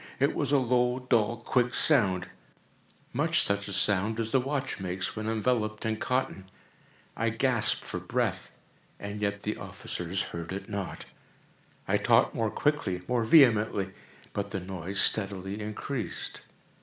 It was a low, dull, quick sound—much such a sound as a watch makes when enveloped in cotton. I gasped for breath—and yet the officers heard it not. I talked more quickly—more vehemently; but the noise steadily increased.